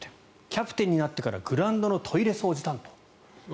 キャプテンになってからグラウンドのトイレ掃除担当。